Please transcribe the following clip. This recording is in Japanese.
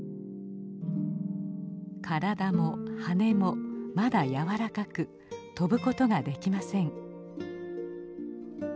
体も羽もまだ柔らかく飛ぶことができません。